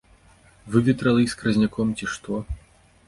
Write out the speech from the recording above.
Выветрыла іх скразняком, ці што?!